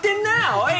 おい